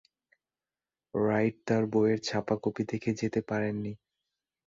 Right তার বইয়ের ছাপা কপি দেখে যেতে পারেননি।